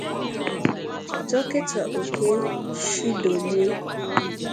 Dọkịta Okey Chidolue